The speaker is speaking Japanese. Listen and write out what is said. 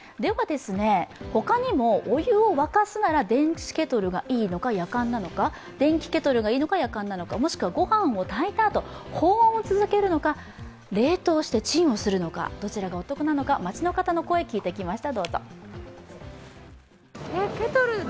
他にもお湯を沸かすなら電気ケトルがいいのか、やかんなのか、もしくは、ごはんを炊いたあと保温を続けるのか冷凍してチンをするのかどちらがお得なのか、街の方の声、聞いてきました。